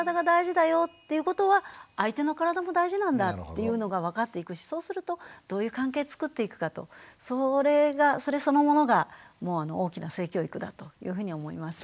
っていうのが分かっていくしそうするとどういう関係つくっていくかとそれがそれそのものが大きな性教育だというふうに思います。